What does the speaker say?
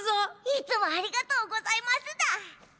いつもありがとうございますだ。